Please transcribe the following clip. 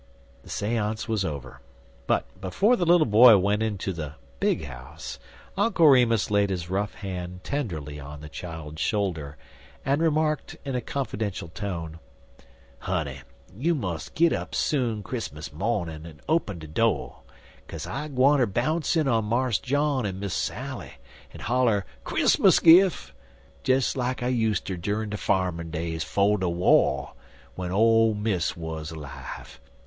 The seance was over; but, before the little boy went into the "big house," Uncle Remus laid his rough hand tenderly on the child's shoulder, and remarked, in a confidential tone: "Honey, you mus' git up soon Chris'mus mawnin' en open de do'; kase I'm gwineter bounce in on Marse John en Miss Sally, en holler 'Chris'mus gif'' des like I useter endurin' de farmin' days fo' de war, w'en ole Miss wuz 'live.